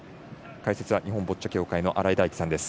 解説は日本ボッチャ協会の新井大基さんです。